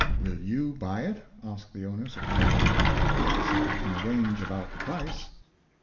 "Will you buy it? " asked the owner, surprised. " Yes, if we can agree about the price.''